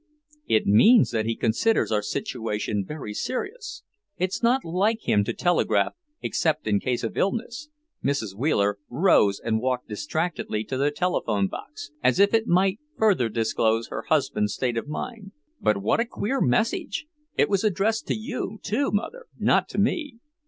"It means he considers our situation very serious. It's not like him to telegraph except in case of illness." Mrs. Wheeler rose and walked distractedly to the telephone box, as if it might further disclose her husband's state of mind. "But what a queer message! It was addressed to you, too, Mother, not to me."